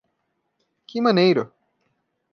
Que maneiro!